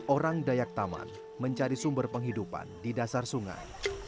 orang dayak taman mencari sumber penghidupan di dasar sungai